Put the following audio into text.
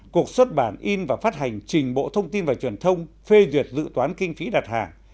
cuộc xuất bản in và phát hành trình bộ thông tin và truyền thông phê duyệt dự toán kinh phí đặt hàng